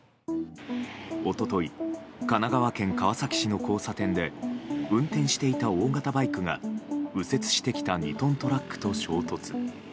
一昨日神奈川県川崎市の交差点で運転していた大型バイクが右折してきた２トントラックと衝突。